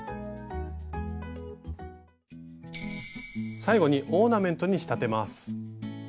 最後にオーナメントに仕立てます。